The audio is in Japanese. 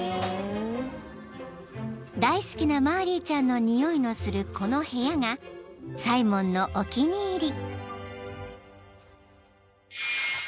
［大好きなマーリーちゃんのにおいのするこの部屋がサイモンのお気に入り］